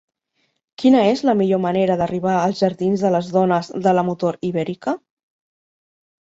Quina és la millor manera d'arribar als jardins de les Dones de la Motor Ibèrica?